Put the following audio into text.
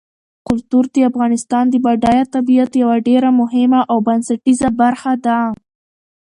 کلتور د افغانستان د بډایه طبیعت یوه ډېره مهمه او بنسټیزه برخه ده.